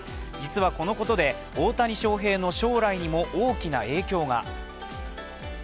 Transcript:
実は、このことで大谷翔平の将来にも大きな影響が。